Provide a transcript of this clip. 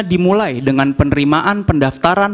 dimulai dengan penerimaan pendaftaran